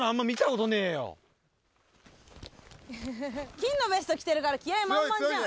金のベスト着てるから、気合い満々じゃん。